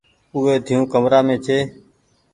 اوئي ۮييون ڪمرآ مين ڇي۔